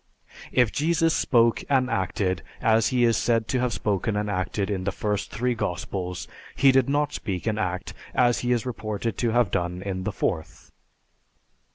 If Jesus spoke and acted as he is said to have spoken and acted in the first three Gospels, he did not speak and act as he is reported to have done in the fourth."